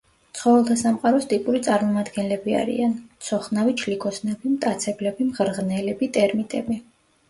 ცხოველთა სამყაროს ტიპური წარმომადგენლები არიან: მცოხნავი ჩლიქოსნები, მტაცებლები, მღრღნელები, ტერმიტები.